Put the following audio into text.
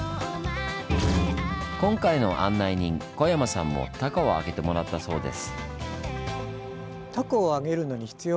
今回の案内人小山さんも凧をあげてもらったそうです。